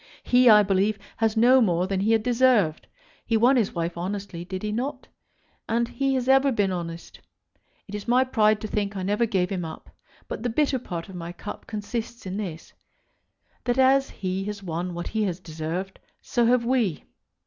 He, I believe, has no more than he has deserved. He won his wife honestly; did he not? And he has ever been honest. It is my pride to think I never gave him up. But the bitter part of my cup consists in this, that as he has won what he has deserved, so have we.